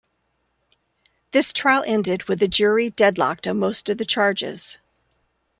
This trial ended with a jury deadlocked on most of the charges.